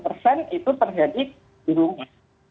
lima puluh persen itu terjadi di rumah